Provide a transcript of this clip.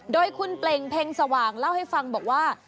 โดยคุณเปล่งเพ็งสว่างเล่าให้ฟังบอกว่า